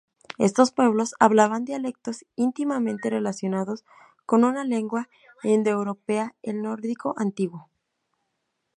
Estos pueblos hablaban dialectos íntimamente relacionados con una lengua indoeuropea, el nórdico antiguo.